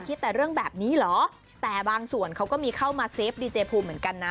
คิดแต่เรื่องแบบนี้เหรอแต่บางส่วนเขาก็มีเข้ามาเฟฟดีเจภูมิเหมือนกันนะ